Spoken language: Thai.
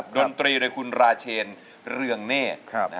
ดนตรีโดยคุณราเชนเรืองเนธ